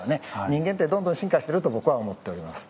人間って、どんどん進化してると僕は思っております。